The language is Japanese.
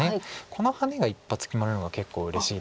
このハネが一発決まるのが結構うれしいです。